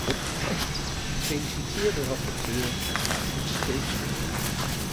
Ik feliciteer de rapporteur met haar uitstekende werk.